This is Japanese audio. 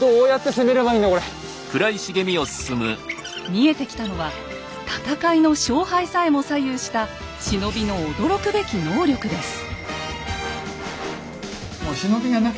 見えてきたのは戦いの勝敗さえも左右した忍びの驚くべき能力です。